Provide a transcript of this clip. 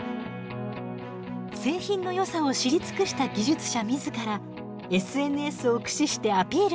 製品のよさを知り尽くした技術者自らＳＮＳを駆使してアピールします。